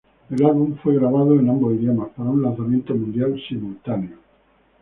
El álbum fue grabado en ambos idiomas para un lanzamiento mundial simultáneo.